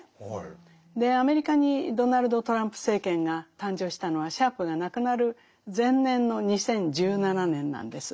アメリカにドナルド・トランプ政権が誕生したのはシャープが亡くなる前年の２０１７年なんです。